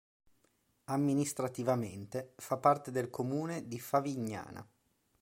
Amministrativamente fa parte del comune di Favignana.